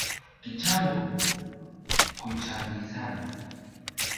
Kichango kuchangizana